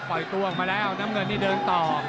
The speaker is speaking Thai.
ปล่อยตัวออกมาแล้วน้ำเงินนี่เดินต่อ